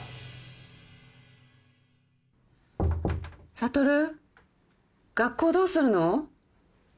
悟学校どうするの？